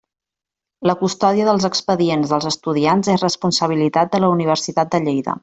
La custòdia dels expedients dels estudiants és responsabilitat de la Universitat de Lleida.